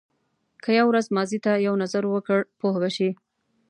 که یو ورځ ماضي ته یو نظر وکړ پوه به شې.